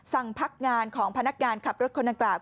พักงานของพนักงานขับรถคนดังกล่าว